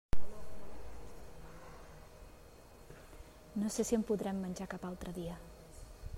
No sé si en podrem menjar cap altre dia.